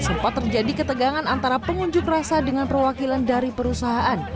sempat terjadi ketegangan antara pengunjuk rasa dengan perwakilan dari perusahaan